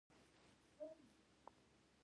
ګاز د افغان ماشومانو د لوبو موضوع ده.